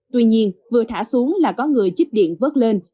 tuy nhiên vừa thả xuống là có người chích điện vớt lên